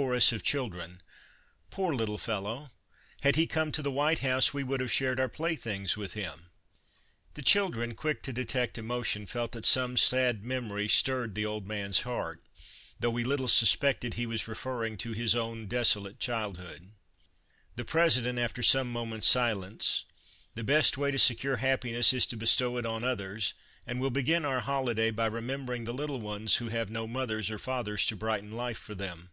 Chorus of children :" Poor little fellow! Had he come to the White House we would have shared our playthings with him." The children, quick to detect emotion, felt that some sad memory stirred the old man's heart, though m the White House in Old Hickory's Dag we little suspected he was referring to his own deso late childhood. The President, after some moments' silence :" The best way to secure happiness is to bestow it on others, and we '11 begin our holiday by remember ing the little ones who have no mothers or fathers to brighten life for them."